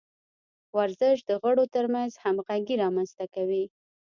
ورزش د غړو ترمنځ همغږي رامنځته کوي.